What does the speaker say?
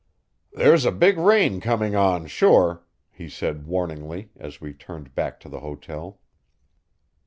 "There's a big rain coming on, sure," he said warningly, as we turned back to the hotel.